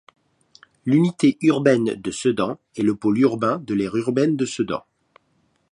L'unité urbaine de Sedan est le pôle urbain de l'aire urbaine de Sedan.